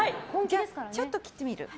ちょっと切ってみる。